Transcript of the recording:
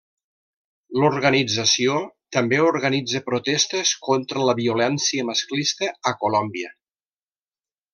L'organització també organitza protestes contra la violència masclista a Colòmbia.